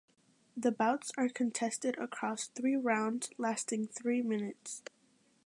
The bouts are contested across three rounds lasting three minutes.